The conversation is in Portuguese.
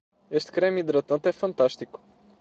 Este creme hidratante é fantástico.